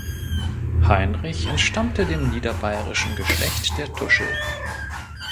Heinrich entstammte dem niederbayerischen Geschlecht der Tuschl.